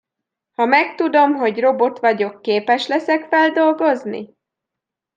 Ha megtudom, hogy robot vagyok, képes leszek feldolgozni?